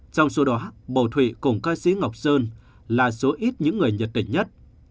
trong số đó bầu thụy cùng ca sĩ ngọc sơn là số ít những người nhật tỉnh nhất